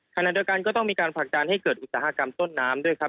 ขณะเดียวกันก็ต้องมีการผลักดันให้เกิดอุตสาหกรรมต้นน้ำด้วยครับ